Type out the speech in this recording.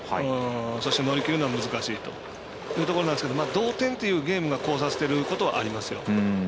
そして乗り切るのは難しいというところですけど同点というゲームがこうさせてることはありますよ。